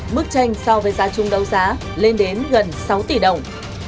mức tranh so với giá chung đấu giá lên đến gần sáu tỷ đồng